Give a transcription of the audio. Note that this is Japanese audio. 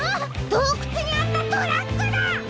どうくつにあったトラックだ！